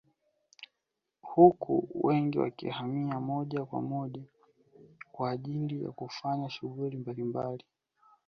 Huku wengine wakihamia moja kwa moja kwa ajili ya kufanya shughuli mbalimbali